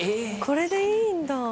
「これでいいんだ」